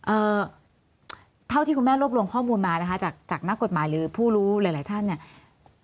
เอ่อเท่าที่คุณแม่รวบรวมข้อมูลมานะคะจากจากนักกฎหมายหรือผู้รู้หลายหลายท่านเนี่ย